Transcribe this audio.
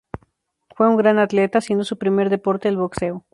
Fue un gran atleta, siendo su primer deporte el boxeo.